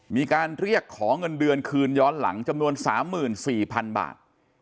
มีการเรียกขอเงินเดือนคืนย้อนหลังจำนวน๓๔๐๐๐บาท